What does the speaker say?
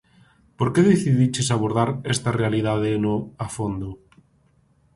Por que decidiches abordar esta realidade no "A Fondo"?